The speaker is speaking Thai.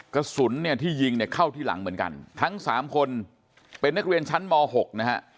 กระสุนเนี่ยที่ยิงเนี่ยเข้าที่หลังเหมือนกันทั้งสามคนเป็นนักเรียนชั้นม๖นะฮะ